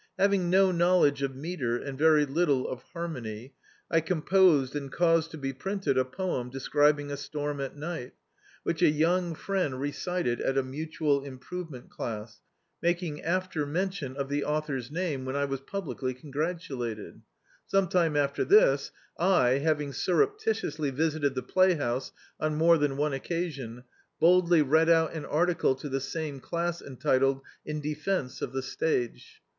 Having no knowledge of metre and very little of harmony, I composed and caused b> be printed a poem de scribing a storm at ni^t, which a young friend re cited at a mutual improvement classi making after [.6] D,i.,.db, Google Youth mention of the author's name, when I was publicly cmgratulated. Some time after this I — having sur reptitiously visited the playhouse on more than <Hie occasion — ^boldly read out an article to the same class entitled — "In defence of the Stage."